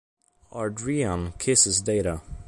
Ard'rian kisses Data.